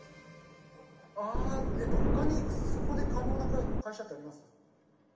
あえっと他にそこで可能な会社ってあります？